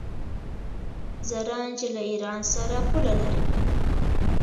زرنج له ایران سره پوله لري.